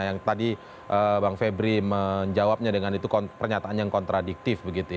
yang tadi bang febri menjawabnya dengan itu pernyataan yang kontradiktif